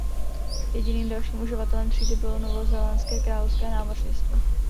Jediným dalším uživatelem třídy bylo Novozélandské královské námořnictvo.